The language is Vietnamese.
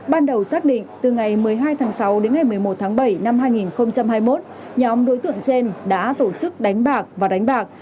ban đầu xác định từ ngày một mươi hai tháng sáu đến ngày một mươi một tháng bảy năm hai nghìn hai mươi một nhóm đối tượng trên đã tổ chức đánh bạc và đánh bạc